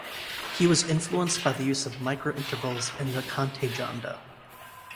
He was influenced by the use of microintervals in the "cante jondo".